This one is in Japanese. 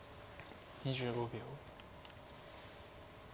２５秒。